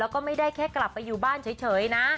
แล้วก็ไม่ได้แค่กลับไปอยู่บ้านเฉยนะ